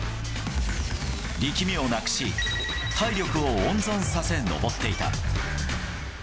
力みをなくし、体力を温存させ登っていた。